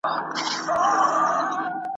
یو پاچا وي بل تر مرګه وړي بارونه `